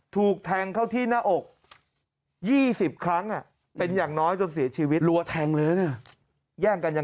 ถูกแทงเข้าที่หน้าอก๒๐ครั้งเป็นอย่างน้อยจนเสียชีวิตรัวแทงเลยนะแย่งกันยัง